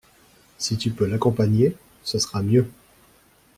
Si tu peux l'accompagner, ce sera mieux.